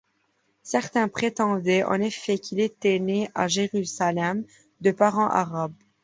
Certains prétendaient en effet qu'il était né à Jérusalem, de parents arabes.